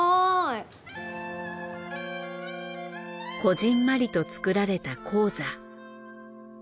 こぢんまりと作られた高座。